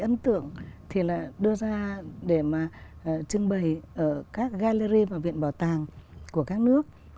những ấn tượng thì là đưa ra để mà trưng bày ở các gallery và viện bảo tàng của các nước